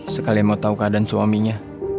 sekalian mau tau keadaan suaminya